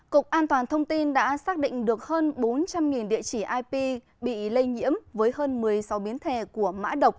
cục an toàn thông tin đã xác định được hơn bốn trăm linh địa chỉ ip bị lây nhiễm với hơn một mươi sáu biến thể của mã độc